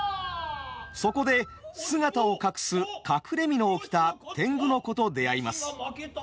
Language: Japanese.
そこで姿を隠す「隠れ蓑」を着た天狗の子と出会います。